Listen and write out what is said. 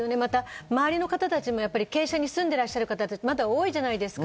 周りの方たちも軽傷で済んでいらっしゃる方が多いじゃないですか。